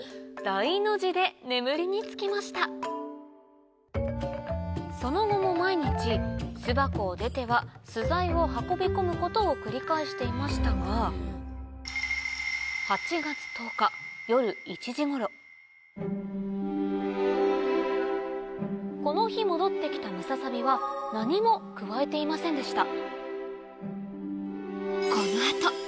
大の字で眠りにつきましたその後も毎日巣箱を出ては巣材を運び込むことを繰り返していましたがこの日戻って来たムササビは何もくわえていませんでした